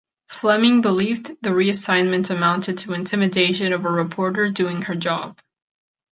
Fleming believed the reassignment amounted to intimidation of a reporter doing her job.